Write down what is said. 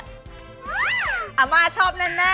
อาม่าชอบแน่